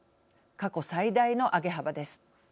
過去最大の上げ幅です。